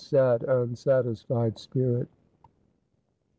Sad, unsatisfied spirit